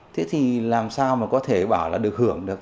thế thì làm sao mà có thể bảo là được hưởng được